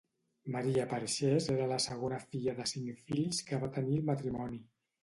Maria Perxés era la segona filla de cinc fills que va tenir el matrimoni.